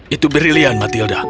itu berlian matilda